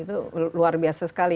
itu luar biasa sekali